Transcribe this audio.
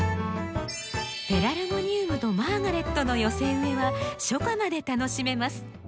ペラルゴニウムとマーガレットの寄せ植えは初夏まで楽しめます。